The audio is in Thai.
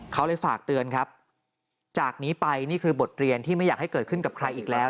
เขาเลยฝากเตือนครับจากนี้ไปนี่คือบทเรียนที่ไม่อยากให้เกิดขึ้นกับใครอีกแล้ว